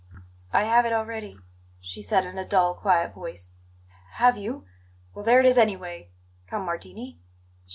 "I have it already," she said in a dull, quiet voice. "H have you? Well, there it is, anyway. Come, Martini.